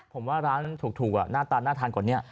ผมว่าร้านถูกน่าทานกว่านี้